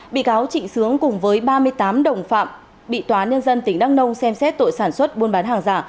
bị cáo trịnh sướng cùng với ba mươi tám đồng phạm bị tòa nhân dân tỉnh đắk nông xem xét tội sản xuất buôn bán hàng giả